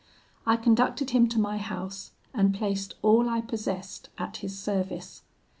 I conducted him to my house, and placed all I possessed at his service.